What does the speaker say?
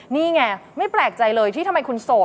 นี่ไงไม่แปลกใจเลยที่ทำไมคุณโสด